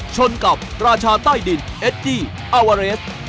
ชนกับราชาใต้ดินเอดดี้อาวาเรส